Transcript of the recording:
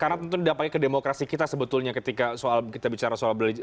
karena tentu tidak pakai ke demokrasi kita sebetulnya ketika soal